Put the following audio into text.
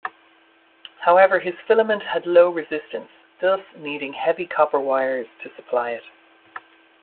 However, his filament had low resistance, thus needing heavy copper wires to supply it.